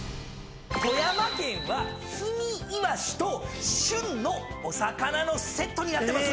富山県は氷見イワシと旬のお魚のセットになってます。